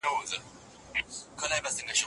بې نومه شرکتونه مخکښ دي.